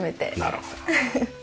なるほど。